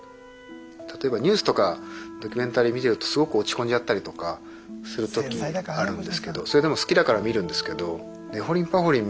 例えばニュースとかドキュメンタリー見てるとすごく落ち込んじゃったりとかするときあるんですけどそれでも好きだから見るんですけど「ねほりんぱほりん」